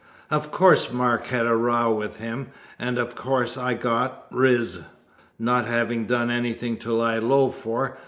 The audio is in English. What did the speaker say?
Of course Mark had a row with him, and, of course, I got riz not having done anything to lie low for.